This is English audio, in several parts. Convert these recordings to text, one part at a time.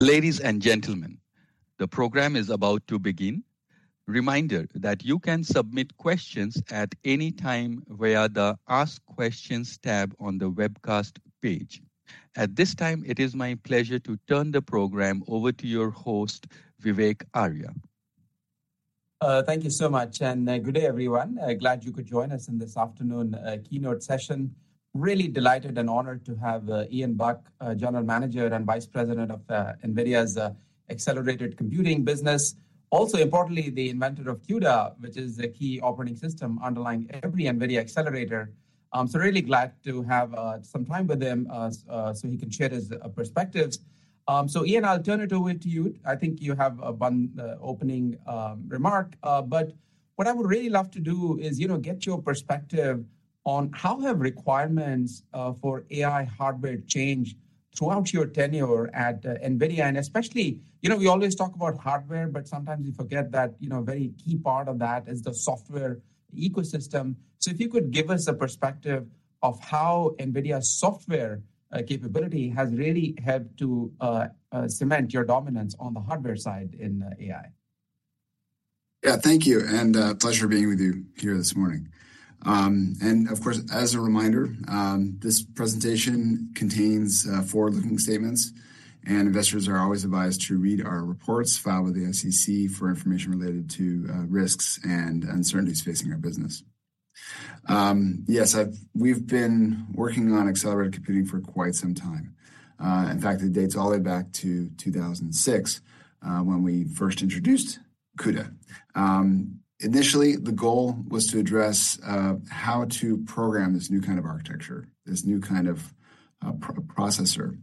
Ladies and gentlemen, the program is about to begin. Reminder that you can submit questions at any time via the Ask Questions tab on the webcast page. At this time, it is my pleasure to turn the program over to your host, Vivek Arya. Thank you so much, and, good day, everyone. Glad you could join us in this afternoon, keynote session. Really delighted and honored to have Ian Buck, General Manager and Vice President of NVIDIA's Accelerated Computing Business. Also, importantly, the inventor of CUDA, which is the key operating system underlying every NVIDIA accelerator. So really glad to have some time with him, so he can share his perspectives. So, Ian, I'll turn it over to you. I think you have one opening remark, but what I would really love to do is, you know, get your perspective on how have requirements for AI hardware changed throughout your tenure at NVIDIA, and especially, you know, we always talk about hardware, but sometimes we forget that, you know, a very key part of that is the software ecosystem. So if you could give us a perspective of how NVIDIA's software capability has really helped to cement your dominance on the hardware side in AI. Yeah, thank you, and a pleasure being with you here this morning. And of course, as a reminder, this presentation contains forward-looking statements, and investors are always advised to read our reports filed with the SEC for information related to risks and uncertainties facing our business. Yes, we've been working on accelerated computing for quite some time. In fact, it dates all the way back to 2006, when we first introduced CUDA. Initially, the goal was to address how to program this new kind of architecture, this new kind of processor,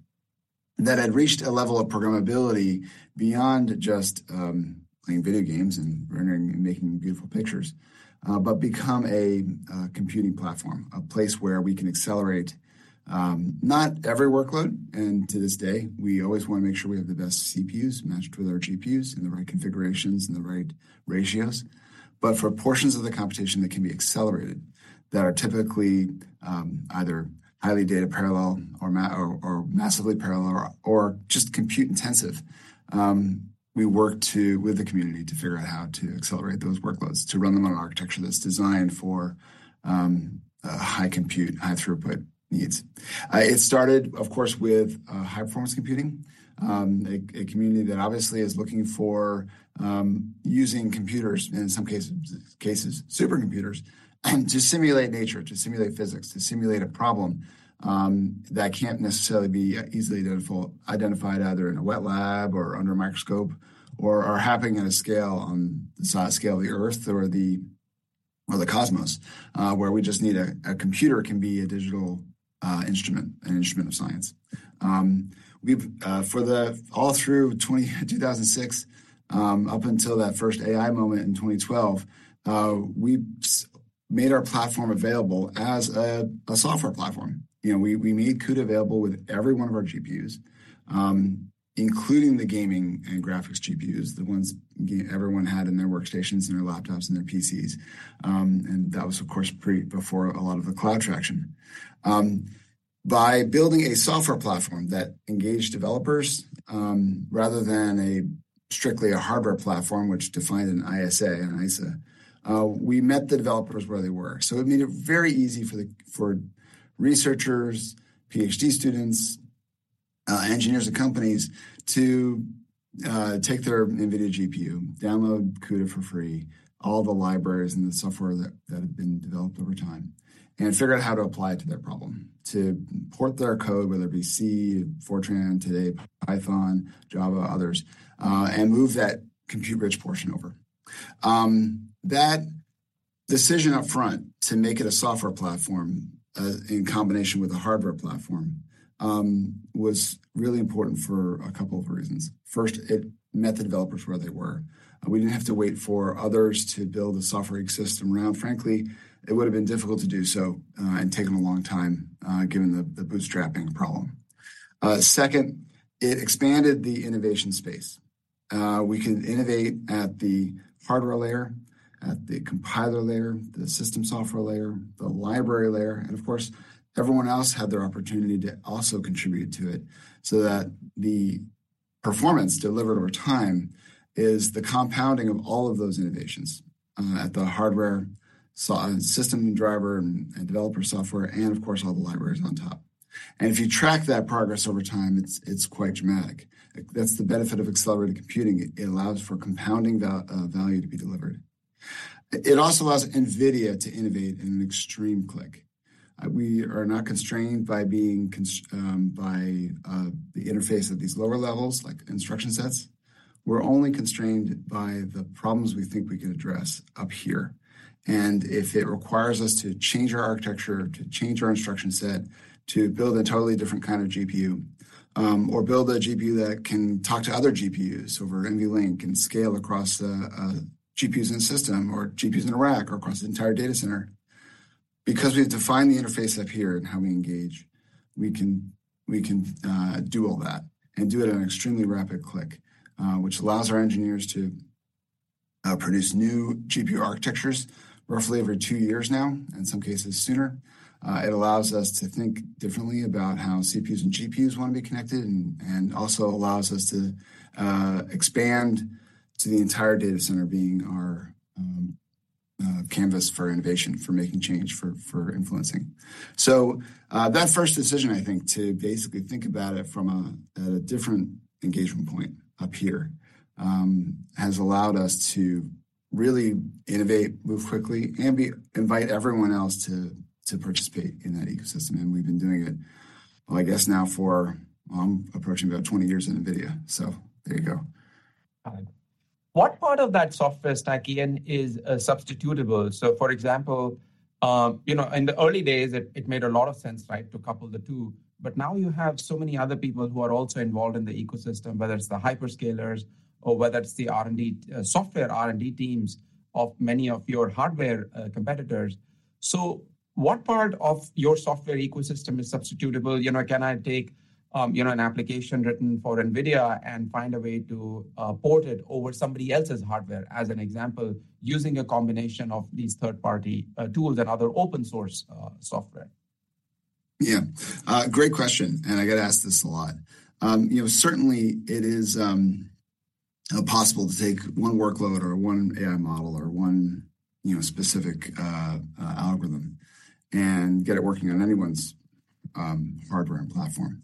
that had reached a level of programmability beyond just playing video games and rendering and making beautiful pictures, but become a computing platform, a place where we can accelerate not every workload, and to this day, we always want to make sure we have the best CPUs matched with our GPUs in the right configurations and the right ratios. But for portions of the computation that can be accelerated, that are typically either highly data parallel or massively parallel or just compute intensive, we work to with the community to figure out how to accelerate those workloads, to run them on an architecture that's designed for high compute, high throughput needs. It started, of course, with high-performance computing, a community that obviously is looking for using computers, in some cases supercomputers, to simulate nature, to simulate physics, to simulate a problem that can't necessarily be easily identified either in a wet lab or under a microscope, or are happening at a scale, on the scale of the Earth or the cosmos, where we just need a computer, a digital instrument, an instrument of science. We've for all through 2006 up until that first AI moment in 2012, we made our platform available as a software platform. You know, we made CUDA available with every one of our GPUs, including the gaming and graphics GPUs, the ones everyone had in their workstations and their laptops and their PCs. That was, of course, before a lot of the cloud traction. By building a software platform that engaged developers, rather than a strictly hardware platform, which defined an ISA, we met the developers where they were. So it made it very easy for researchers, Ph.D. students, engineers at companies to take their NVIDIA GPU, download CUDA for free, all the libraries and the software that had been developed over time, and figure out how to apply it to their problem, to port their code, whether it be C, Fortran, today, Python, Java, others, and move that compute-rich portion over. That decision up front to make it a software platform, in combination with a hardware platform, was really important for a couple of reasons. First, it met the developers where they were. We didn't have to wait for others to build a software ecosystem around. Frankly, it would have been difficult to do so, and taken a long time, given the, the bootstrapping problem. Second, it expanded the innovation space. We could innovate at the hardware layer, at the compiler layer, the system software layer, the library layer, and of course, everyone else had their opportunity to also contribute to it, so that the performance delivered over time is the compounding of all of those innovations, at the hardware, system driver and, and developer software, and of course, all the libraries on top. If you track that progress over time, it's quite dramatic. That's the benefit of accelerated computing. It allows for compounding value to be delivered. It also allows NVIDIA to innovate at an extreme clip. We are not constrained by the interface at these lower levels, like instruction sets. We're only constrained by the problems we think we can address up here. And if it requires us to change our architecture, to change our instruction set, to build a totally different kind of GPU, or build a GPU that can talk to other GPUs over NVLink and scale across the GPUs in a system or GPUs in a rack or across the entire data center. Because we define the interface up here and how we engage, we can do all that and do it at an extremely rapid clip, which allows our engineers to produce new GPU architectures roughly every two years now, in some cases sooner. It allows us to think differently about how CPUs and GPUs want to be connected, and also allows us to expand to the entire data center being our canvas for innovation, for making change, for influencing. So, that first decision, I think, to basically think about it at a different engagement point up here, has allowed us to really innovate, move quickly, and invite everyone else to participate in that ecosystem. And we've been doing it, well, I guess now for approaching about 20 years in NVIDIA. There you go. Got it. What part of that software stack, Ian, is substitutable? So, for example, you know, in the early days, it made a lot of sense, right, to couple the two, but now you have so many other people who are also involved in the ecosystem, whether it's the hyperscalers or whether it's the R&D software, R&D teams of many of your hardware competitors. So what part of your software ecosystem is substitutable? You know, can I take you know, an application written for NVIDIA and find a way to port it over somebody else's hardware, as an example, using a combination of these third-party tools and other open source software? Yeah. Great question, and I get asked this a lot. You know, certainly it is possible to take one workload or one AI model or one, you know, specific algorithm and get it working on anyone's hardware and platform.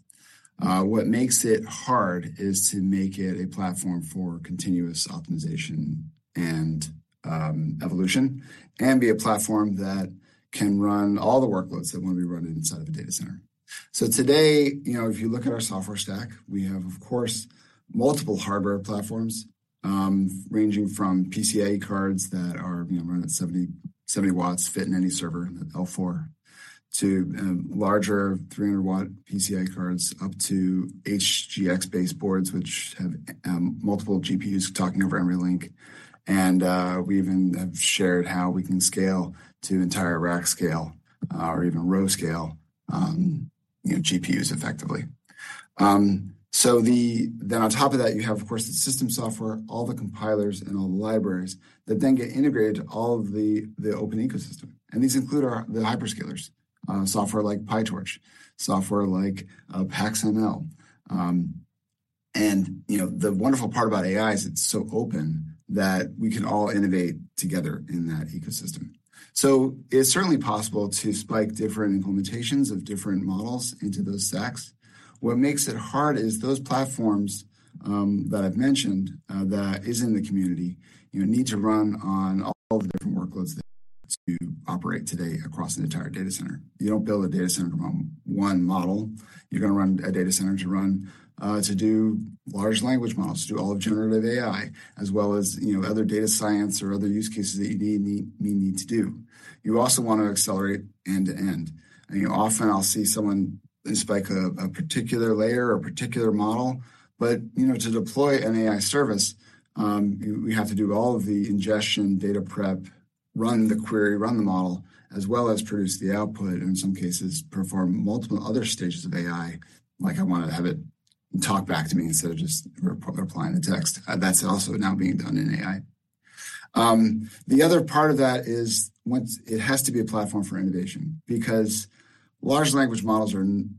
What makes it hard is to make it a platform for continuous optimization and evolution, and be a platform that can run all the workloads that want to be run inside of a data center. So today, you know, if you look at our software stack, we have, of course, multiple hardware platforms, ranging from PCIe cards that are, you know, run at 70, 70 watts, fit in any server, L4, to larger 300-watt PCIe cards, up to HGX-based boards, which have multiple GPUs talking over NVLink. We even have shared how we can scale to entire rack scale, or even row scale, you know, GPUs effectively. So then on top of that, you have, of course, the system software, all the compilers and all the libraries that then get integrated to all of the, the open ecosystem. And these include our, the hyperscalers, software like PyTorch, software like, PaxML. And, you know, the wonderful part about AI is it's so open that we can all innovate together in that ecosystem. So it's certainly possible to spike different implementations of different models into those stacks. What makes it hard is those platforms, that I've mentioned, that is in the community, you know, need to run on all the different workloads that to operate today across the entire data center. You don't build a data center from one model. You're going to run a data center to run to do large language models, to do all of generative AI, as well as, you know, other data science or other use cases that you need, may need to do. You also want to accelerate end to end. You know, often I'll see someone spike a particular layer or a particular model, but, you know, to deploy an AI service, we have to do all of the ingestion, data prep, run the query, run the model, as well as produce the output, in some cases, perform multiple other stages of AI. Like, I want to have it talk back to me instead of just replying to text. That's also now being done in AI. The other part of that is once it has to be a platform for innovation, because large language models are, and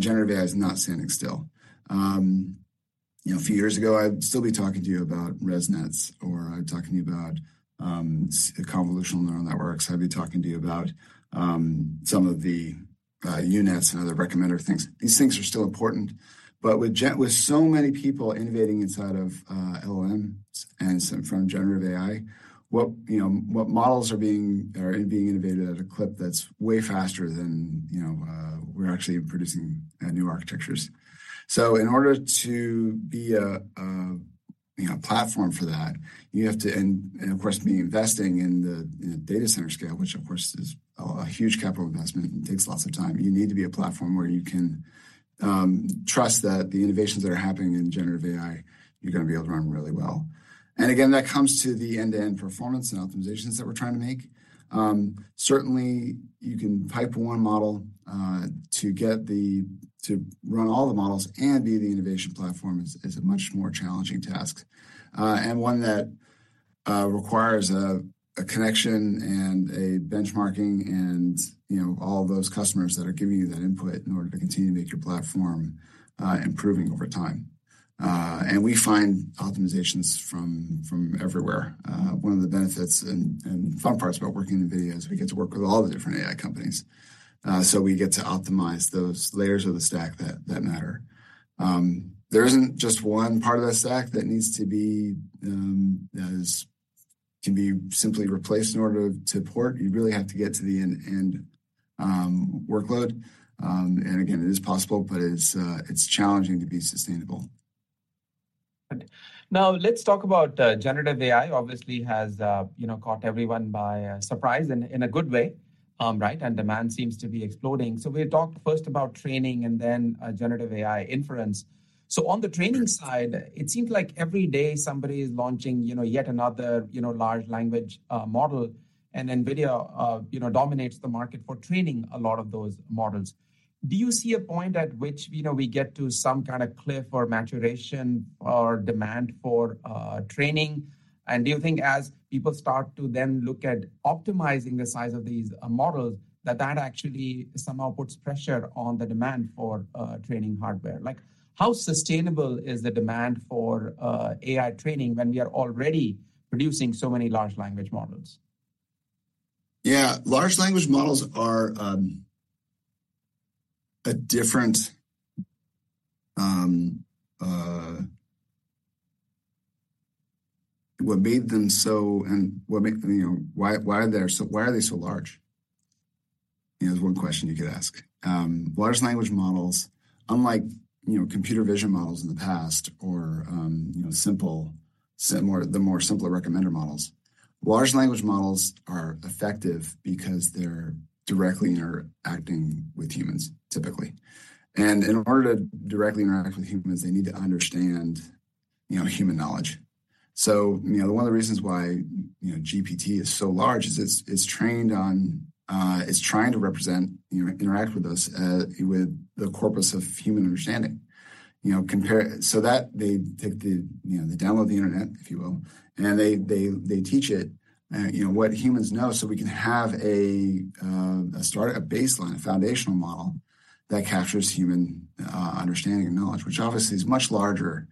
generative AI is not standing still. You know, a few years ago, I'd still be talking to you about ResNets, or I'd be talking to you about convolutional neural networks. I'd be talking to you about some of the U-Nets and other recommender things. These things are still important, but with so many people innovating inside of LLM and some from generative AI, what, you know, what models are being, are being innovated at a clip that's way faster than, you know, we're actually producing new architectures. So in order to be a you know platform for that, you have to and of course be investing in the data center scale, which of course is a huge capital investment and takes lots of time. You need to be a platform where you can trust that the innovations that are happening in generative AI, you're going to be able to run really well. And again, that comes to the end-to-end performance and optimizations that we're trying to make. Certainly, you can pipe one model to get the to run all the models and be the innovation platform is a much more challenging task and one that requires a connection and a benchmarking, and you know all those customers that are giving you that input in order to continue to make your platform improving over time. And we find optimizations from, from everywhere. One of the benefits and, and fun parts about working in NVIDIA is we get to work with all the different AI companies, so we get to optimize those layers of the stack that, that matter. There isn't just one part of that stack that needs to be, that is, can be simply replaced in order to port. You really have to get to the end-end, workload. And again, it is possible, but it's, it's challenging to be sustainable. ... Now let's talk about generative AI. Obviously has you know caught everyone by surprise in a good way, right? And demand seems to be exploding. So we talked first about training and then generative AI inference. So on the training side, it seems like every day somebody is launching you know yet another you know large language model, and NVIDIA you know dominates the market for training a lot of those models. Do you see a point at which you know we get to some kind of cliff or maturation or demand for training? And do you think as people start to then look at optimizing the size of these models, that that actually somehow puts pressure on the demand for training hardware? Like, how sustainable is the demand for AI training when we are already producing so many large language models? Yeah, large language models are a different. What made them so and what make them, you know, why, why they're so—why are they so large? Is one question you could ask. Large language models, unlike, you know, computer vision models in the past or, you know, simple, more simpler recommender models. Large language models are effective because they're directly interacting with humans, typically. In order to directly interact with humans, they need to understand, you know, human knowledge. One of the reasons why, you know, GPT is so large is it's, it's trained on, it's trying to represent, you know, interact with us with the corpus of human understanding. You know, compare, so that they take the, you know, they download the Internet, if you will, and they teach it, you know, what humans know, so we can have a start, a baseline, a foundational model that captures human, understanding and knowledge. Which obviously is much larger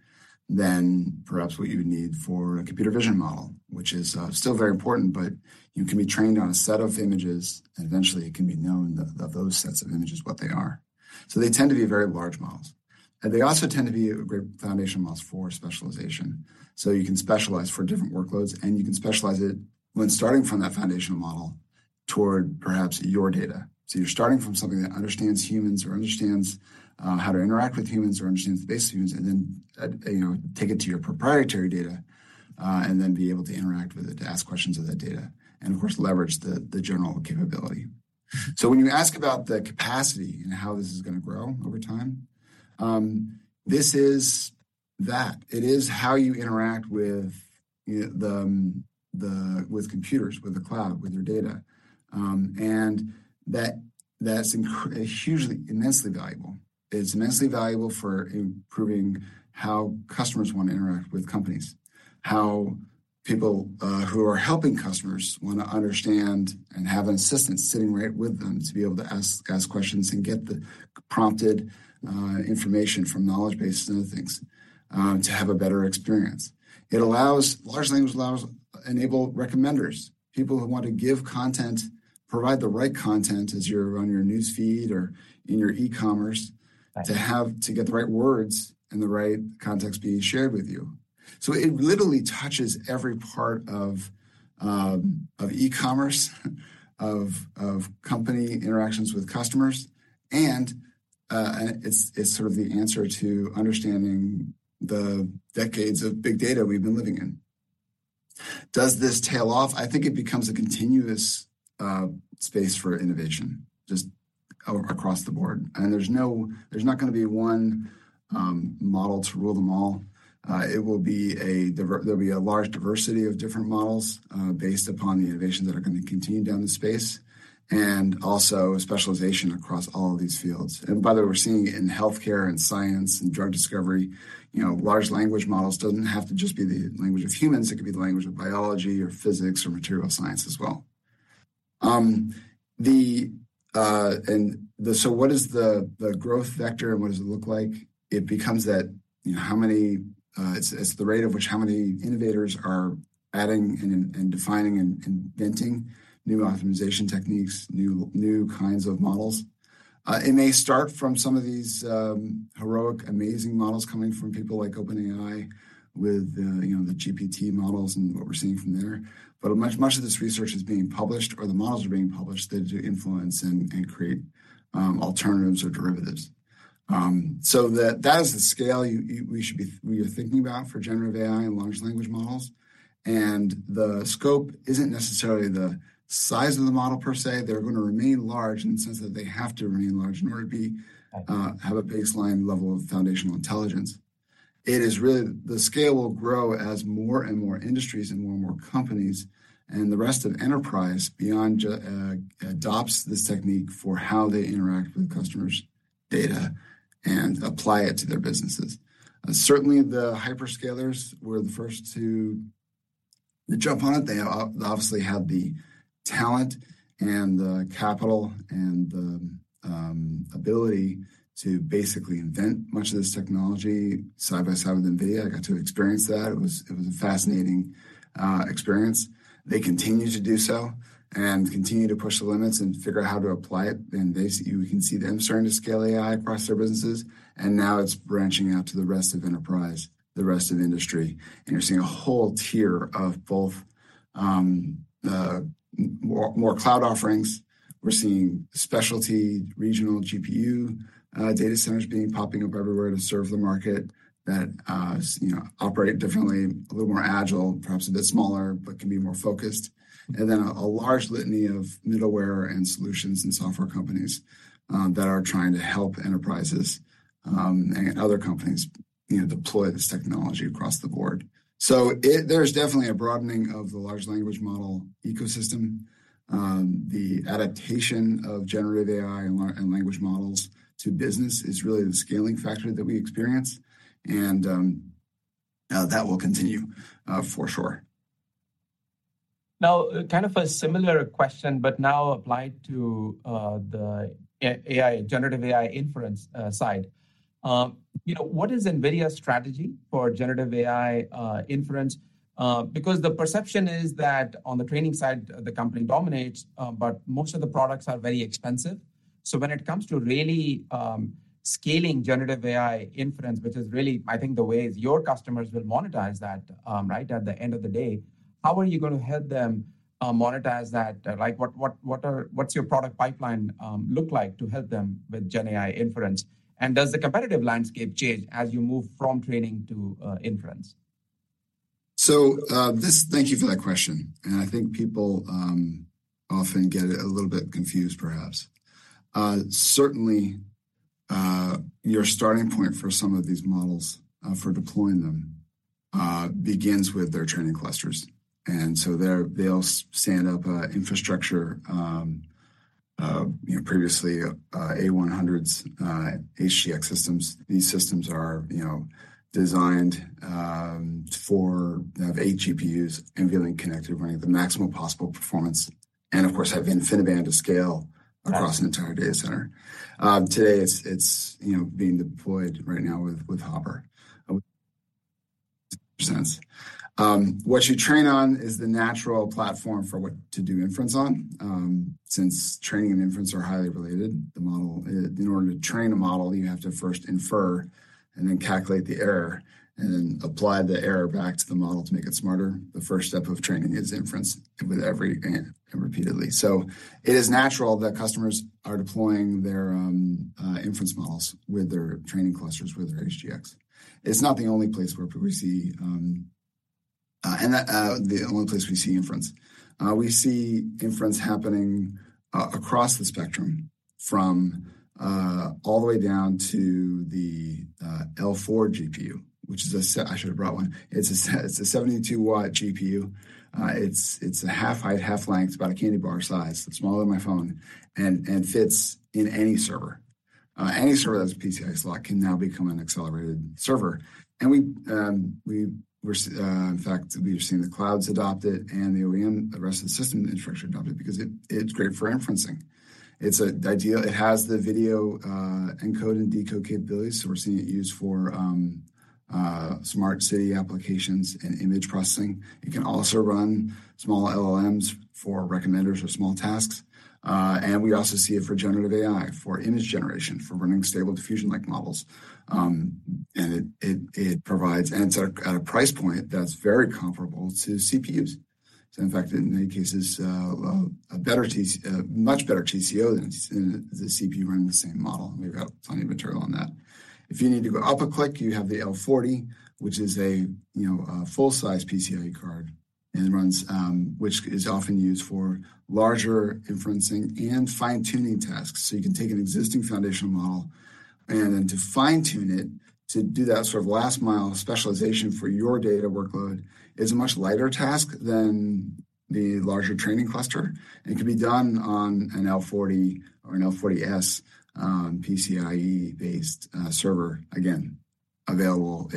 than perhaps what you would need for a computer vision model, which is, still very important, but you can be trained on a set of images, and eventually, it can be known that those sets of images, what they are. So they tend to be very large models. And they also tend to be a great foundation models for specialization. So you can specialize for different workloads, and you can specialize it when starting from that foundational model toward perhaps your data. So you're starting from something that understands humans or understands how to interact with humans or understands the base of humans, and then, you know, take it to your proprietary data, and then be able to interact with it, to ask questions of that data, and of course, leverage the, the general capability. So when you ask about the capacity and how this is going to grow over time, this is that. It is how you interact with, you know, the, the, with computers, with the cloud, with your data. And that, that's hugely, immensely valuable. It's immensely valuable for improving how customers want to interact with companies, how people who are helping customers want to understand and have an assistant sitting right with them to be able to ask questions and get the prompted information from knowledge bases and other things, to have a better experience. It allows large language enable recommenders, people who want to give content, provide the right content as you're on your news feed or in your e-commerce- Right... to have, to get the right words and the right context being shared with you. So it literally touches every part of e-commerce, of company interactions with customers, and it's sort of the answer to understanding the decades of big data we've been living in. Does this tail off? I think it becomes a continuous space for innovation, just across the board. And there's no—there's not gonna be one model to rule them all. It will be diverse—there'll be a large diversity of different models based upon the innovations that are gonna continue down the space, and also a specialization across all of these fields. And by the way, we're seeing it in healthcare and science and drug discovery. You know, large language models doesn't have to just be the language of humans. It could be the language of biology or physics or material science as well. So what is the growth vector and what does it look like? It becomes that, you know, how many, it's the rate at which how many innovators are adding and defining and inventing new optimization techniques, new kinds of models. It may start from some of these heroic, amazing models coming from people like OpenAI, with you know, the GPT models and what we're seeing from there. But much of this research is being published or the models are being published, they do influence and create alternatives or derivatives. So that is the scale you we should be, we are thinking about for generative AI and large language models. The scope isn't necessarily the size of the model per se. They're going to remain large in the sense that they have to remain large in order to be, have a baseline level of foundational intelligence. It is really—the scale will grow as more and more industries and more and more companies and the rest of enterprise beyond just, adopts this technique for how they interact with customers' data and apply it to their businesses. Certainly, the hyperscalers were the first to jump on it. They obviously had the talent and the capital and the, ability to basically invent much of this technology side by side with NVIDIA. I got to experience that. It was, it was a fascinating, experience. They continue to do so and continue to push the limits and figure out how to apply it. You can see them starting to scale AI across their businesses, and now it's branching out to the rest of enterprise, the rest of the industry. And you're seeing a whole tier of both, more, more cloud offerings. We're seeing specialty, regional GPU data centers popping up everywhere to serve the market that, you know, operate differently, a little more agile, perhaps a bit smaller, but can be more focused. And then a large litany of middleware and solutions and software companies that are trying to help enterprises and other companies, you know, deploy this technology across the board. So there's definitely a broadening of the large language model ecosystem. The adaptation of generative AI and language models to business is really the scaling factor that we experience, and that will continue, for sure. Now, kind of a similar question, but now applied to, the AI, generative AI inference, side. You know, what is NVIDIA's strategy for generative AI inference? Because the perception is that on the training side, the company dominates, but most of the products are very expensive. So when it comes to really, scaling generative AI inference, which is really, I think, the way your customers will monetize that, right, at the end of the day, how are you going to help them, monetize that? Like, what, what, what are-- what's your product pipeline, look like to help them with gen AI inference? And does the competitive landscape change as you move from training to, inference? So, thank you for that question, and I think people often get a little bit confused, perhaps. Certainly, your starting point for some of these models for deploying them begins with their training clusters. And so they're, they'll stand up infrastructure, you know, previously, A100s, HGX systems. These systems are, you know, designed for, they have eight GPUs, NVLink connected, running at the maximum possible performance, and of course, have InfiniBand to scale- Right. - across an entire data center. Today, it's, you know, being deployed right now with Hopper. What you train on is the natural platform for what to do inference on. Since training and inference are highly related, the model, in order to train a model, you have to first infer and then calculate the error and then apply the error back to the model to make it smarter. The first step of training is inference with every... and repeatedly. So it is natural that customers are deploying their inference models with their training clusters, with their HGX. It's not the only place where we see inference. We see inference happening across the spectrum, from all the way down to the L4 GPU, which is. I should have brought one. It's a 72-watt GPU. It's half height, half length, about a candy bar size. It's smaller than my phone and fits in any server. Any server that has a PCI slot can now become an accelerated server. We've seen the clouds adopt it, and the OEM, the rest of the system infrastructure, adopt it because it's great for inferencing. It's ideal. It has the video encode and decode capabilities, so we're seeing it used for smart city applications and image processing. It can also run small LLMs for recommenders or small tasks, and we also see it for generative AI, for image generation, for running Stable Diffusion-like models. And it provides, and it's at a price point that's very comparable to CPUs. So in fact, in many cases, a much better TCO than the CPU running the same model. We've got plenty of material on that. If you need to go up a click, you have the L40, which is, you know, a full-size PCIe card and runs, which is often used for larger inferencing and fine-tuning tasks. So you can take an existing foundational model and then to fine-tune it, to do that sort of last mile specialization for your data workload, is a much lighter task than the larger training cluster, and it can be done on an L40 or an L40S PCIe-based server. Again, available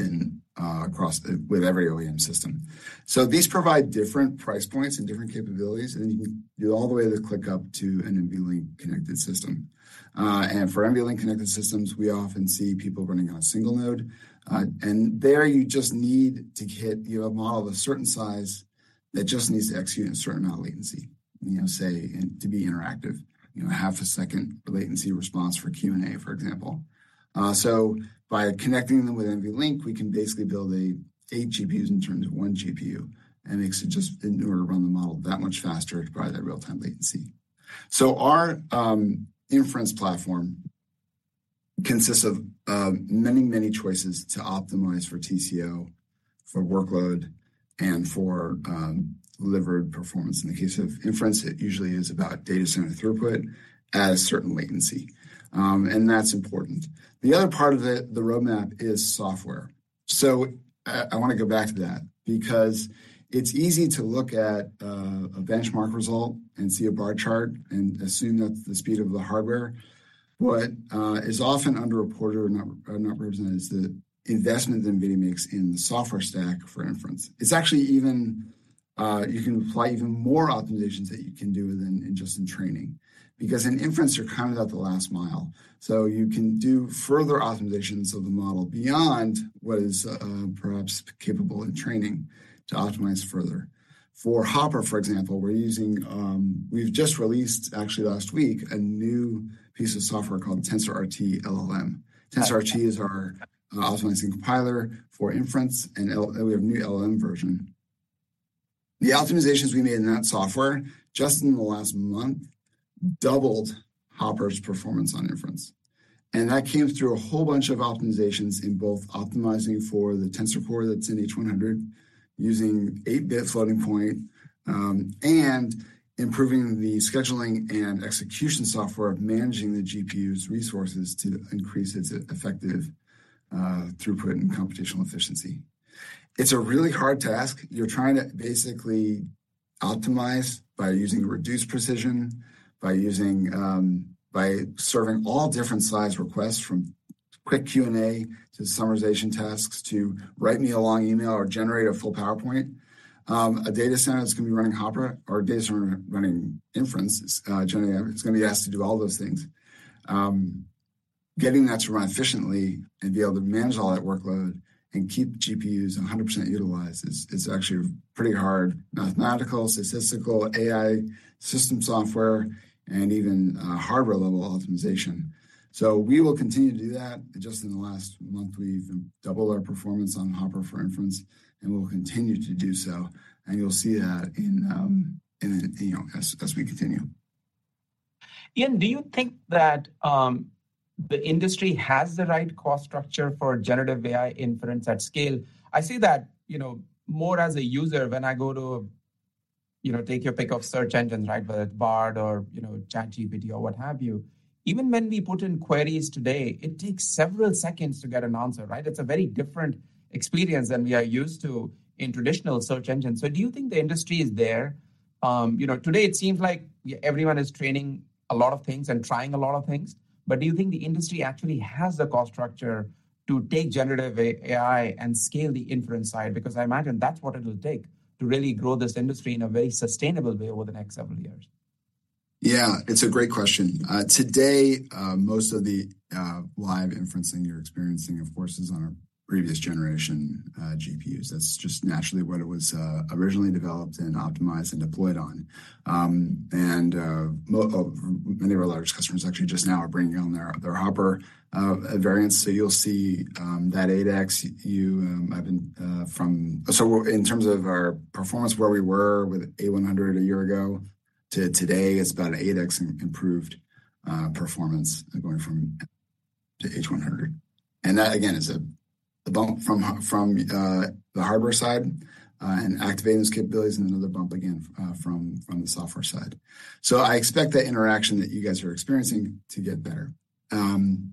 across with every OEM system. So these provide different price points and different capabilities, and then you can do all the way to scale up to an NVLink-connected system. For NVLink-connected systems, we often see people running on a single node, and there you just need to get, you know, a model of a certain size that just needs to execute a certain amount of latency, you know, say, and to be interactive, you know, half a second latency response for Q&A, for example. So by connecting them with NVLink, we can basically build a eight GPUs in terms of one GPU, and it just in order to run the model that much faster to provide that real-time latency. So our inference platform consists of many, many choices to optimize for TCO, for workload, and for delivered performance. In the case of inference, it usually is about data center throughput at a certain latency, and that's important. The other part of it, the roadmap, is software. So I want to go back to that because it's easy to look at a benchmark result and see a bar chart and assume that's the speed of the hardware. What is often underreported or not, or not represented is the investment that NVIDIA makes in the software stack for inference. It's actually even you can apply even more optimizations that you can do than in just in training, because in inference, you're kind of at the last mile, so you can do further optimizations of the model beyond what is perhaps capable in training to optimize further. For Hopper, for example, we've just released, actually, last week, a new piece of software called TensorRT-LLM. TensorRT is our optimizing compiler for inference, and we have a new LLM version. The optimizations we made in that software, just in the last month, doubled Hopper's performance on inference. And that came through a whole bunch of optimizations in both optimizing for the Tensor Core that's in H100, using eight-bit floating point, and improving the scheduling and execution software of managing the GPU's resources to increase its effective throughput and computational efficiency. It's a really hard task. You're trying to basically optimize by using reduced precision, by serving all different size requests, from quick Q&A to summarization tasks, to write me a long email or generate a full PowerPoint. A data center that's going to be running Hopper or a data center running inference, generally, it's going to be asked to do all those things. Getting that to run efficiently and be able to manage all that workload and keep GPUs 100% utilized is actually pretty hard mathematical, statistical, AI system software, and even, hardware-level optimization. So we will continue to do that. Just in the last month, we've doubled our performance on Hopper for inference, and we'll continue to do so, and you'll see that in, you know, as we continue. Ian, do you think that the industry has the right cost structure for generative AI inference at scale? I see that, you know, more as a user, when I go to, you know, take your pick of search engines, right? Whether it's Bard or, you know, ChatGPT or what have you. Even when we put in queries today, it takes several seconds to get an answer, right? It's a very different experience than we are used to in traditional search engines. So do you think the industry is there? You know, today it seems like everyone is training a lot of things and trying a lot of things, but do you think the industry actually has the cost structure to take generative AI and scale the inference side? Because I imagine that's what it will take to really grow this industry in a very sustainable way over the next several years. Yeah, it's a great question. Today, most of the live inferencing you're experiencing, of course, is on our previous generation GPUs. That's just naturally what it was originally developed and optimized and deployed on. And many of our large customers actually just now are bringing on their Hopper versions. So you'll see that 8X you have been. So in terms of our performance, where we were with A100 a year ago to today, it's about an 8X improved performance going from to H100. And that, again, is a bump from the hardware side and activating those capabilities, and another bump again from the software side. So I expect that interaction that you guys are experiencing to get better and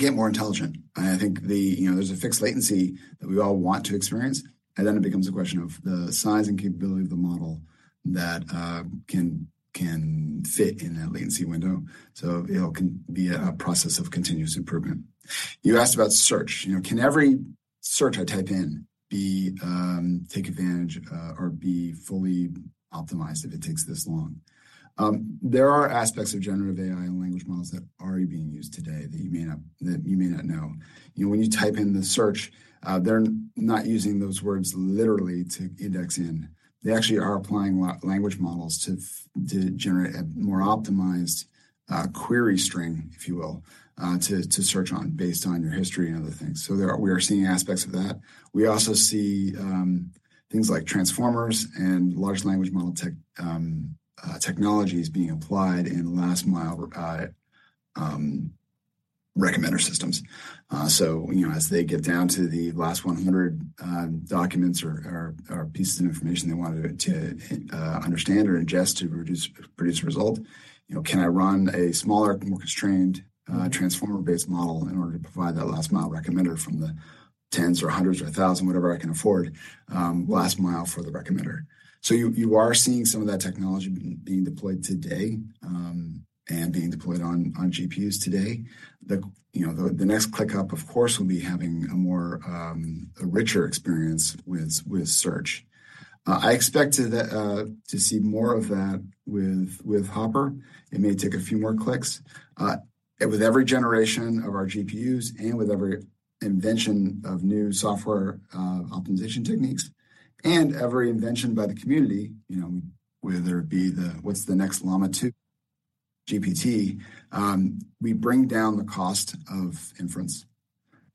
get more intelligent. I think the, you know, there's a fixed latency that we all want to experience, and then it becomes a question of the size and capability of the model that, can, can fit in that latency window. So it'll can be a process of continuous improvement. You asked about search. You know, can every search I type in be, take advantage, or be fully optimized if it takes this long? There are aspects of generative AI and language models that are already being used today that you may not, that you may not know. You know, when you type in the search, they're not using those words literally to index in. They actually are applying language models to, to generate a more optimized, query string, if you will, to, to search on based on your history and other things. So we are seeing aspects of that. We also see things like transformers and large language model tech technologies being applied in last mile recommender systems. So, you know, as they get down to the last 100 documents or pieces of information they wanted to understand or ingest to produce a result, you know, can I run a smaller, more constrained transformer-based model in order to provide that last mile recommender from the tens or hundreds or 1,000, whatever I can afford, last mile for the recommender? So you are seeing some of that technology being deployed today, and being deployed on GPUs today. You know, the next click up, of course, will be having a richer experience with search. I expect to see more of that with Hopper. It may take a few more clicks with every generation of our GPUs and with every invention of new software optimization techniques, and every invention by the community, you know, whether it be the... What's the next Llama 2, GPT, we bring down the cost of inference.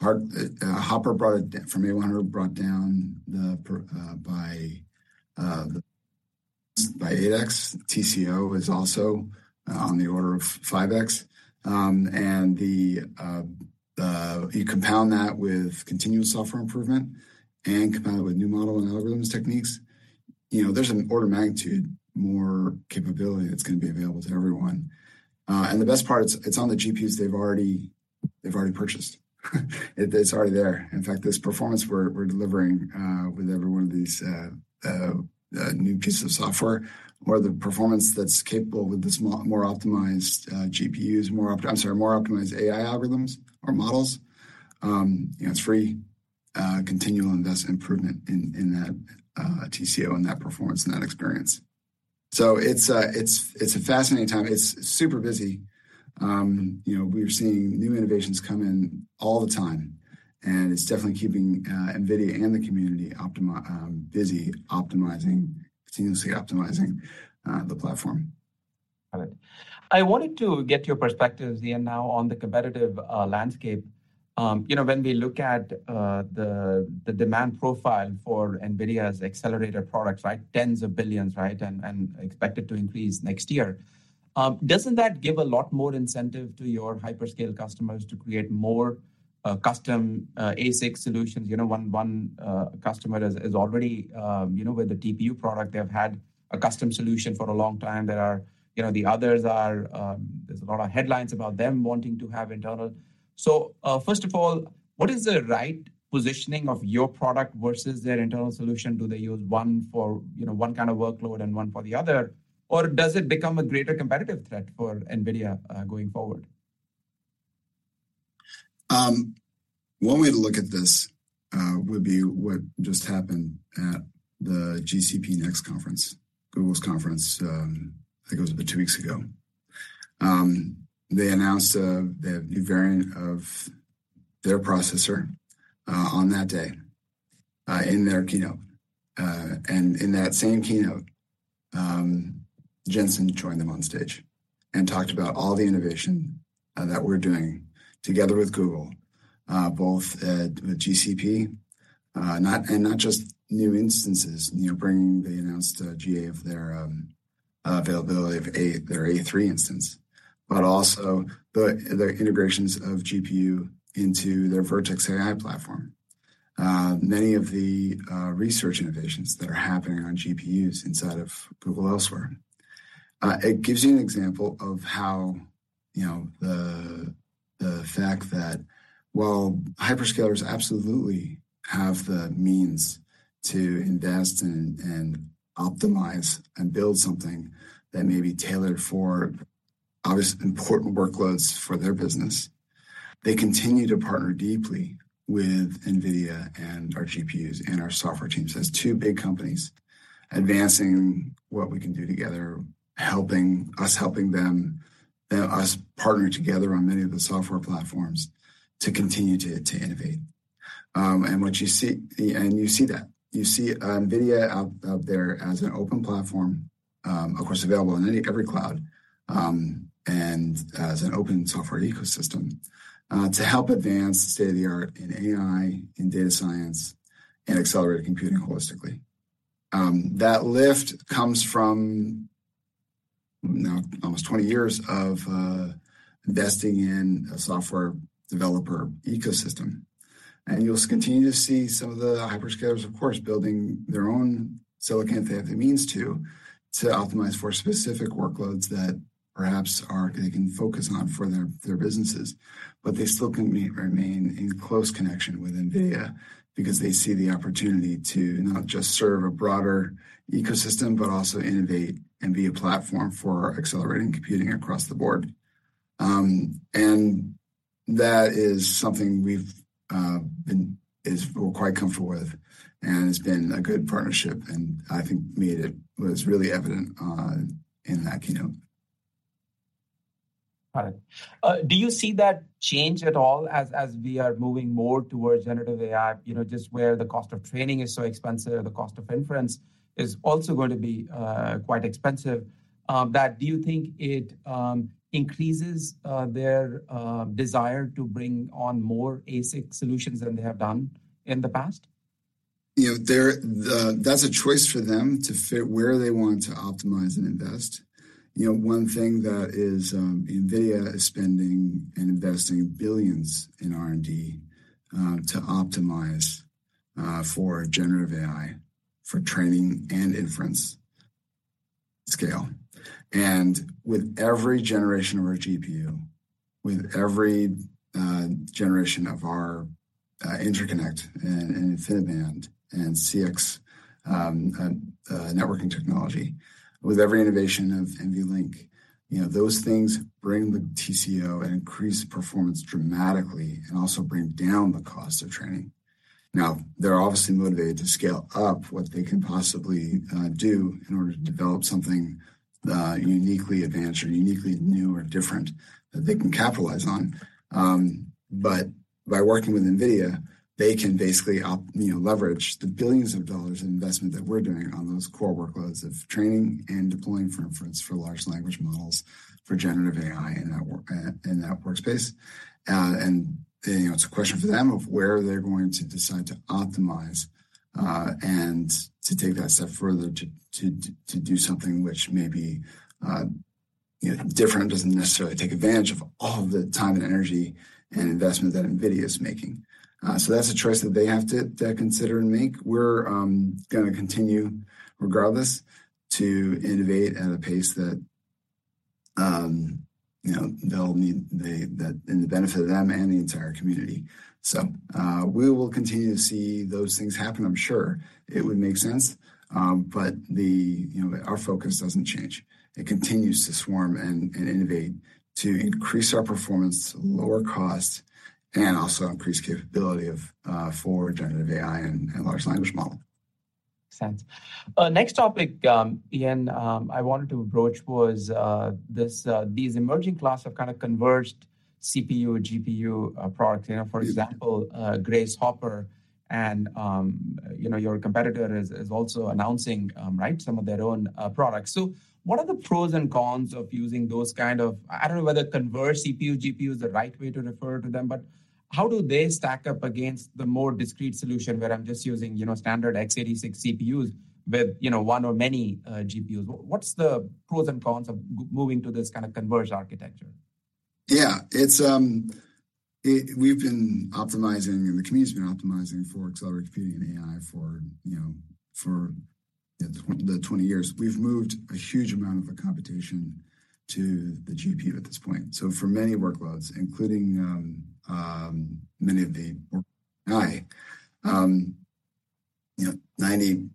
Hopper brought it down from A100 by 8X. TCO is also on the order of 5X. And you compound that with continuous software improvement and compound it with new model and algorithms techniques, you know, there's an order of magnitude more capability that's going to be available to everyone. And the best part, it's on the GPUs they've already purchased. It's already there. In fact, this performance we're delivering with every one of these new pieces of software, or the performance that's capable with this more optimized GPUs, more op—I'm sorry, more optimized AI algorithms or models, you know, it's free continual investment improvement in, in that TCO and that performance and that experience. So it's a fascinating time. It's super busy. You know, we're seeing new innovations come in all the time, and it's definitely keeping NVIDIA and the community busy optimizing, continuously optimizing the platform.... Got it. I wanted to get your perspective, Ian, now on the competitive landscape. You know, when we look at the demand profile for NVIDIA's accelerated products, right? Tens of billions, right? Expected to increase next year. Doesn't that give a lot more incentive to your hyperscale customers to create more custom ASIC solutions? You know, one customer is already, you know, with the TPU product, they have had a custom solution for a long time. There are, you know, the others are, there's a lot of headlines about them wanting to have internal. So, first of all, what is the right positioning of your product versus their internal solution? Do they use one for, you know, one kind of workload and one for the other, or does it become a greater competitive threat for NVIDIA, going forward? One way to look at this would be what just happened at the GCP Next conference, Google's conference. I think it was about two weeks ago. They announced their new variant of their processor on that day in their keynote. And in that same keynote, Jensen joined them on stage and talked about all the innovation that we're doing together with Google, both at, with GCP, not-- and not just new instances, you know, bringing-- they announced GA of their availability of A, their A3 instance, but also the integrations of GPU into their Vertex AI platform. Many of the research innovations that are happening on GPUs inside of Google elsewhere. It gives you an example of how, you know, the fact that while hyperscalers absolutely have the means to invest and optimize and build something that may be tailored for, obviously, important workloads for their business, they continue to partner deeply with NVIDIA and our GPUs and our software teams. That's two big companies advancing what we can do together, helping us, helping them, us partnering together on many of the software platforms to continue to innovate. And what you see and you see that, you see NVIDIA out there as an open platform, of course, available on any, every cloud, and as an open software ecosystem, to help advance the state of the art in AI, in data science, and accelerated computing holistically. That lift comes from now almost 20 years of investing in a software developer ecosystem, and you'll continue to see some of the hyperscalers, of course, building their own silicon, if they have the means to optimize for specific workloads that they can focus on for their businesses. But they still can remain in close connection with NVIDIA because they see the opportunity to not just serve a broader ecosystem, but also innovate and be a platform for accelerating computing across the board. And that is something we're quite comfortable with, and it's been a good partnership, and I think it was really evident in that keynote. Got it. Do you see that change at all as we are moving more towards generative AI? You know, just where the cost of training is so expensive, the cost of inference is also going to be quite expensive. That, do you think it increases their desire to bring on more ASIC solutions than they have done in the past? You know, they're, that's a choice for them to fit where they want to optimize and invest. You know, one thing that is, NVIDIA is spending and investing billions in R&D to optimize for generative AI, for training and inference scale. And with every generation of our GPU, with every generation of our interconnect and InfiniBand and CX, and networking technology, with every innovation of NVLink, you know, those things bring the TCO and increase performance dramatically and also bring down the cost of training. Now, they're obviously motivated to scale up what they can possibly do in order to develop something uniquely advanced or uniquely new or different that they can capitalize on. But by working with NVIDIA, they can basically, you know, leverage the billions of dollars in investment that we're doing on those core workloads of training and deploying for inference for large language models, for generative AI in that workspace. And, you know, it's a question for them of where they're going to decide to optimize and to take that step further to do something which may be, you know, different, doesn't necessarily take advantage of all the time and energy and investment that NVIDIA is making. So that's a choice that they have to consider and make. We're gonna continue, regardless, to innovate at a pace that, you know, they'll need that and the benefit of them and the entire community. So, we will continue to see those things happen. I'm sure it would make sense, but you know, our focus doesn't change. It continues to swarm and innovate, to increase our performance, lower costs, and also increase capability for generative AI and large language model. Makes sense. Next topic, Ian, I wanted to approach was, this, these emerging class have kind of converged- CPU, GPU, product, you know, for example, Grace Hopper, and, you know, your competitor is also announcing, right, some of their own, products. So what are the pros and cons of using those kind of, I don't know whether converged CPU, GPU is the right way to refer to them, but how do they stack up against the more discrete solution where I'm just using, you know, standard x86 CPUs with, you know, one or many, GPUs? What's the pros and cons of moving to this kind of converged architecture? Yeah, it's we've been optimizing and the community's been optimizing for accelerated computing and AI for, you know, for the 20 years. We've moved a huge amount of the computation to the GPU at this point. So for many workloads, including, many of the AI, you know, 95%,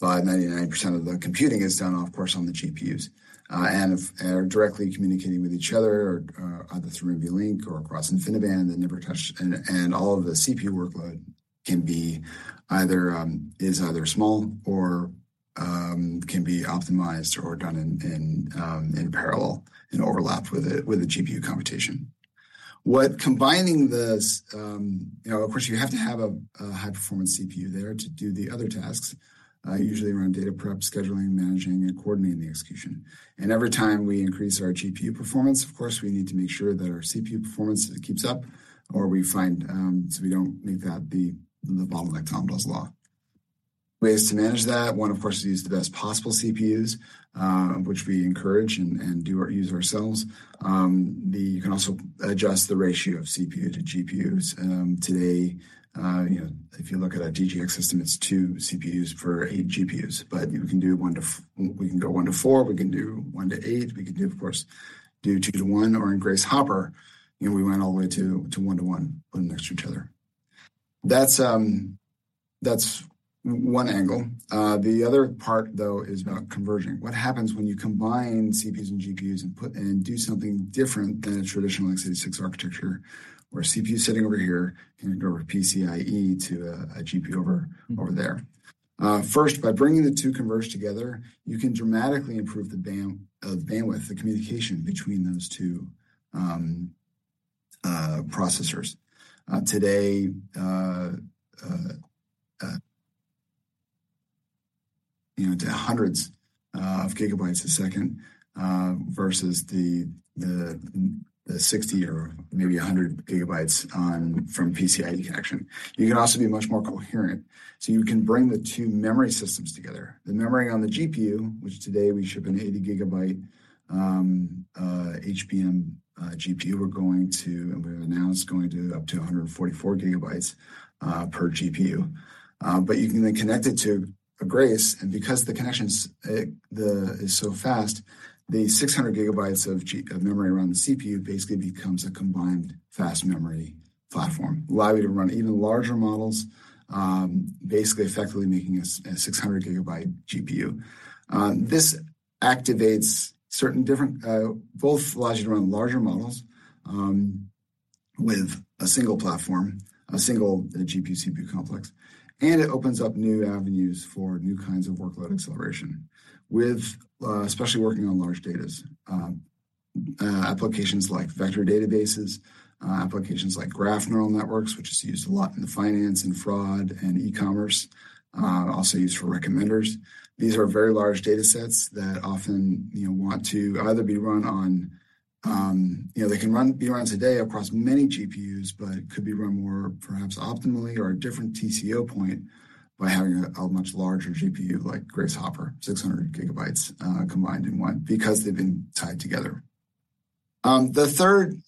99% of the computing is done, of course, on the GPUs, and they are directly communicating with each other or, either through NVLink or across InfiniBand, they never touch. And all of the CPU workload can be either, is either small or, can be optimized or done in parallel and overlapped with a GPU computation. What combining this, you know, of course, you have to have a high-performance CPU there to do the other tasks, usually around data prep, scheduling, managing, and coordinating the execution. And every time we increase our GPU performance, of course, we need to make sure that our CPU performance keeps up, or we find, so we don't make that the bottle neck, Amdahl's law. Ways to manage that, one, of course, is use the best possible CPUs, which we encourage and use ourselves. You can also adjust the ratio of CPU to GPUs. Today, you know, if you look at a DGX system, it's two CPUs for eight GPUs, but we can do one to four, we can go one to four, we can do one to eight, we can do, of course, two to one, or in Grace Hopper, you know, we went all the way to one to one, put them next to each other. That's, that's one angle. The other part, though, is about converging. What happens when you combine CPUs and GPUs and put and do something different than a traditional x86 architecture, where a CPU is sitting over here, and you go over PCIe to a GPU over there? First, by bringing the two converged together, you can dramatically improve the bandwidth, the communication between those two processors. Today, you know, to hundreds of gigabytes a second versus the 60 or maybe 100 gigabytes from PCIe connection. You can also be much more coherent, so you can bring the two memory systems together. The memory on the GPU, which today we ship an 80 GB HBM GPU, we're going to, and we've announced going to up to 144 GB per GPU. But you can then connect it to a Grace, and because the connection is so fast, the 600 GB of Grace memory around the CPU basically becomes a combined fast memory platform, allow you to run even larger models, basically effectively making a 600 GB GPU. This activates certain different, both allows you to run larger models, with a single platform, a single GPU-CPU complex, and it opens up new avenues for new kinds of workload acceleration, with, especially working on large data's, applications like vector databases, applications like graph neural networks, which is used a lot in finance and fraud and e-commerce, also used for recommenders. These are very large datasets that often, you know, want to either be run on, you know, they can run, be run today across many GPUs, but could be run more perhaps optimally or a different TCO point by having a, a much larger GPU like Grace Hopper, 600 GB, combined in one because they've been tied together. The third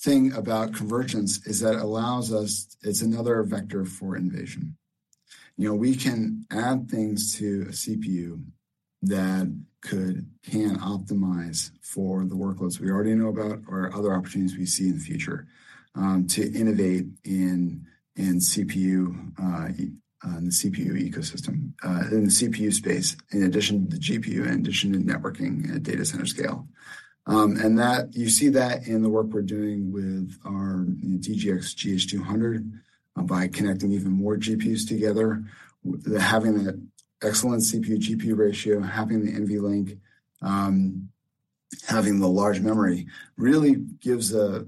thing about convergence is that allows us, it's another vector for innovation. You know, we can add things to a CPU that could, can optimize for the workloads we already know about or other opportunities we see in the future, to innovate in, in CPU, in the CPU ecosystem, in the CPU space, in addition to the GPU, in addition to networking at data center scale. And that, you see that in the work we're doing with our DGX GH200, by connecting even more GPUs together, the having that excellent CPU-GPU ratio, having the NVLink, having the large memory, really gives a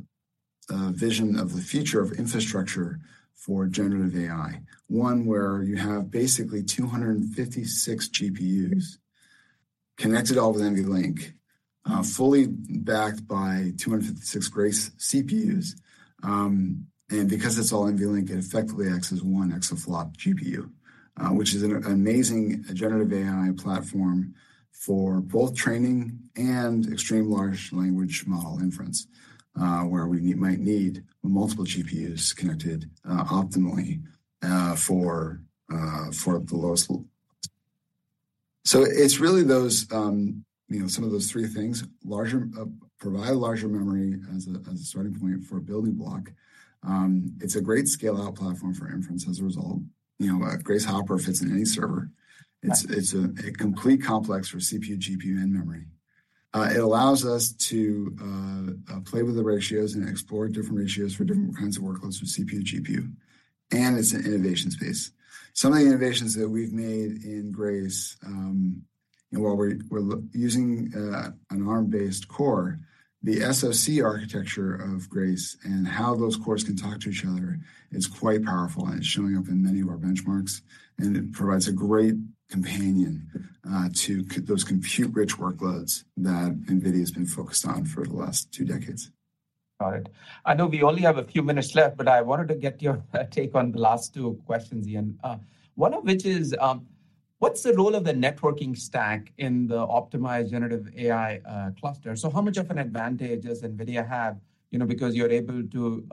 vision of the future of infrastructure for generative AI. One where you have basically 256 GPUs connected all with NVLink, fully backed by 256 Grace CPUs. And because it's all NVLink, it effectively acts as one exaflop GPU, which is an amazing generative AI platform for both training and extreme large language model inference, where we need, might need multiple GPUs connected, optimally, for, for the lowest. So it's really those, you know, some of those three things, larger, provide larger memory as a, as a starting point for a building block. It's a great scale-out platform for inference as a result. You know, Grace Hopper, if it's in any server, it's, it's a, a complete complex for CPU, GPU, and memory. It allows us to play with the ratios and explore different ratios for different kinds of workloads with CPU, GPU, and it's an innovation space. Some of the innovations that we've made in Grace while we're using an Arm-based core, the SoC architecture of Grace and how those cores can talk to each other is quite powerful, and it's showing up in many of our benchmarks, and it provides a great companion to those compute-rich workloads that NVIDIA has been focused on for the last two decades. Got it. I know we only have a few minutes left, but I wanted to get your take on the last two questions, Ian. One of which is, what's the role of the networking stack in the optimized generative AI cluster? So how much of an advantage does NVIDIA have, you know, because you're able to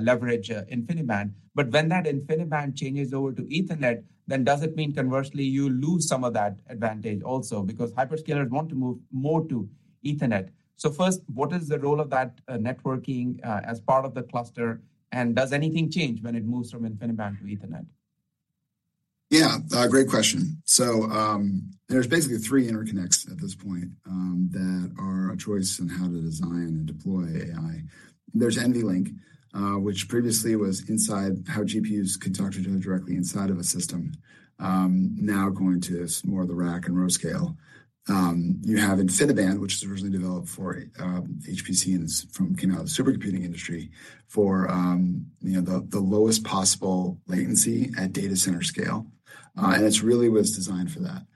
leverage InfiniBand. But when that InfiniBand changes over to Ethernet, then does it mean conversely, you lose some of that advantage also? Because hyperscalers want to move more to Ethernet. So first, what is the role of that networking as part of the cluster, and does anything change when it moves from InfiniBand to Ethernet? Yeah, great question. So, there's basically three interconnects at this point, that are a choice in how to design and deploy AI. There's NVLink, which previously was inside how GPUs could talk to each other directly inside of a system, now going to more of the rack and row scale. You have InfiniBand, which is originally developed for, HPC, and it's from, you know, the supercomputing industry, for, you know, the lowest possible latency at data center scale, and it's really was designed for that.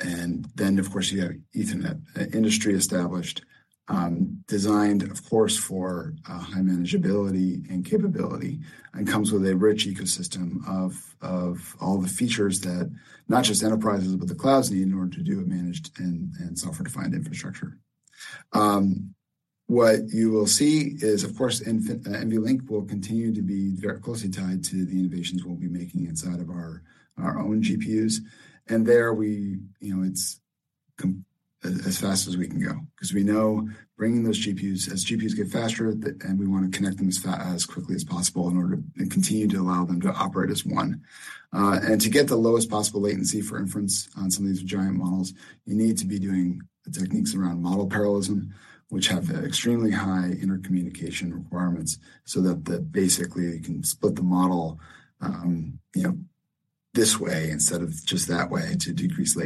And then, of course, you have Ethernet, industry established, designed, of course, for, high manageability and capability, and comes with a rich ecosystem of all the features that not just enterprises, but the clouds need in order to do a managed and software-defined infrastructure. What you will see is, of course, NVLink will continue to be very closely tied to the innovations we'll be making inside of our own GPUs. And there we, you know, it's as fast as we can go, because we know bringing those GPUs, as GPUs get faster, and we want to connect them as quickly as possible in order to, and continue to allow them to operate as one. And to get the lowest possible latency for inference on some of these giant models, you need to be doing the techniques around model parallelism, which have extremely high intercommunication requirements, so that basically you can split the model, you know, this way instead of just that way to decrease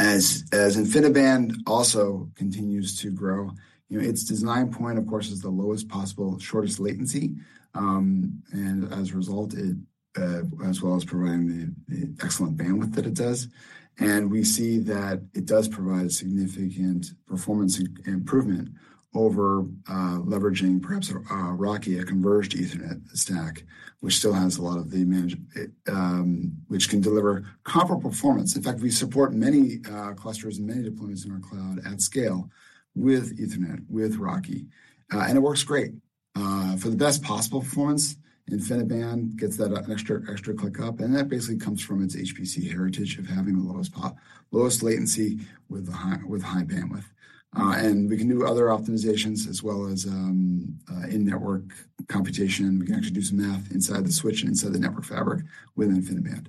latency. As InfiniBand also continues to grow, you know, its design point, of course, is the lowest possible shortest latency, and as a result, it as well as providing the excellent bandwidth that it does. And we see that it does provide a significant performance improvement over leveraging perhaps RoCE, a converged Ethernet stack, which still has a lot of the management, which can deliver comparable performance. In fact, we support many clusters and many deployments in our cloud at scale with Ethernet, with RoCE, and it works great. For the best possible performance, InfiniBand gets that extra, extra click up, and that basically comes from its HPC heritage of having the lowest latency with high bandwidth. And we can do other optimizations as well as in-network computation. We can actually do some math inside the switch and inside the network fabric with InfiniBand.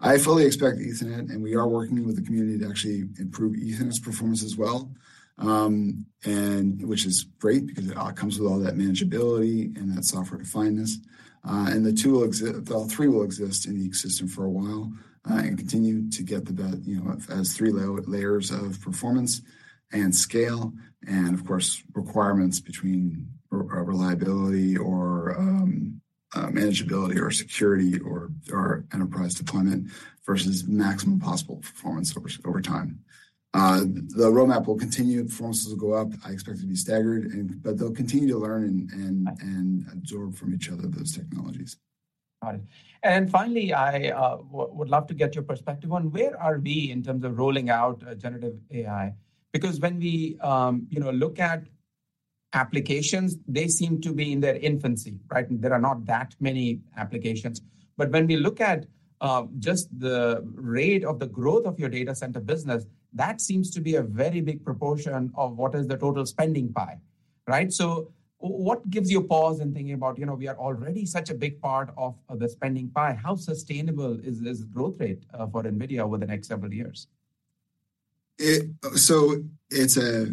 I fully expect Ethernet, and we are working with the community to actually improve Ethernet's performance as well, and which is great because it comes with all that manageability and that software-definedness. And all three will exist in the ecosystem for a while, and continue to get you know, as three layers of performance and scale, and of course, requirements between reliability or manageability or security or enterprise deployment versus maximum possible performance over time. The roadmap will continue, performances will go up. I expect it to be staggered, and but they'll continue to learn and absorb from each other, those technologies. Got it. And finally, I would love to get your perspective on where are we in terms of rolling out generative AI? Because when we you know look at applications, they seem to be in their infancy, right? There are not that many applications. But when we look at just the rate of the growth of your data center business, that seems to be a very big proportion of what is the total spending pie, right? So what gives you pause in thinking about, you know, we are already such a big part of the spending pie. How sustainable is this growth rate for NVIDIA over the next several years? So it's a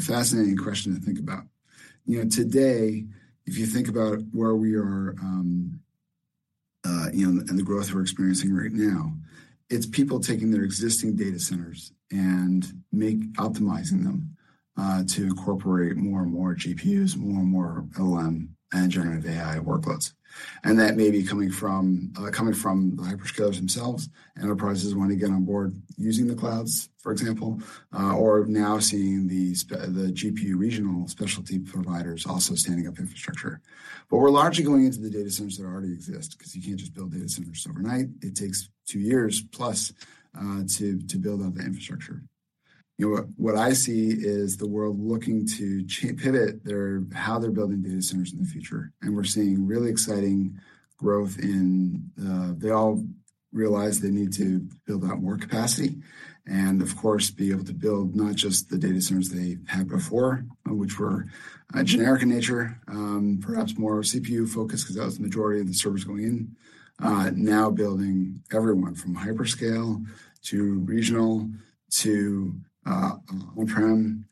fascinating question to think about. You know, today, if you think about where we are, you know, and the growth we're experiencing right now, it's people taking their existing data centers and optimizing them to incorporate more and more GPUs, more and more LM and generative AI workloads. And that may be coming from the hyperscalers themselves. Enterprises want to get on board using the clouds, for example, or now seeing the GPU regional specialty providers also standing up infrastructure. But we're largely going into the data centers that already exist because you can't just build data centers overnight. It takes two years plus to build out the infrastructure. You know what? What I see is the world looking to pivot their, how they're building data centers in the future, and we're seeing really exciting growth in... They all realize they need to build out more capacity and of course, be able to build not just the data centers they had before, which were generic in nature, perhaps more CPU-focused, because that was the majority of the servers going in. Now building everyone from hyperscale to regional, to on-prem,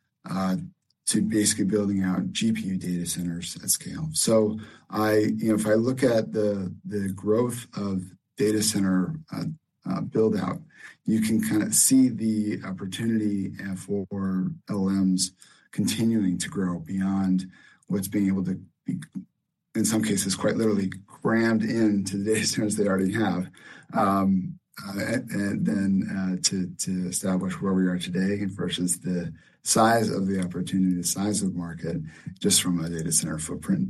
to basically building out GPU data centers at scale. So I, you know, if I look at the growth of data center build-out, you can kinda see the opportunity for LMs continuing to grow beyond what's being able to be, in some cases, quite literally crammed into the data centers they already have. And then, to establish where we are today and versus the size of the opportunity, the size of the market, just from a data center footprint,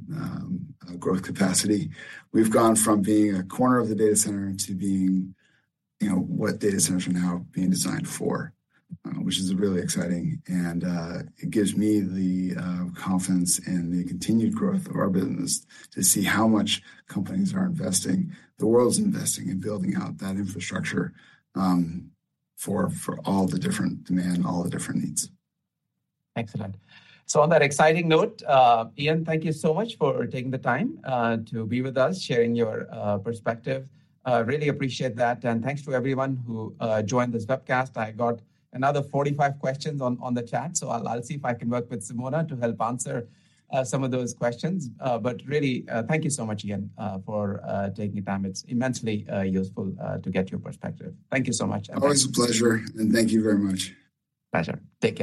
growth capacity. We've gone from being a corner of the data center to being, you know, what data centers are now being designed for, which is really exciting, and it gives me the confidence in the continued growth of our business to see how much companies are investing, the world is investing in building out that infrastructure, for all the different demand, all the different needs. Excellent. So on that exciting note, Ian, thank you so much for taking the time to be with us, sharing your perspective. Really appreciate that. And thanks to everyone who joined this webcast. I got another 45 questions on the chat, so I'll see if I can work with Simona to help answer some of those questions. But really, thank you so much, Ian, for taking the time. It's immensely useful to get your perspective. Thank you so much. Always a pleasure, and thank you very much. Pleasure. Take care.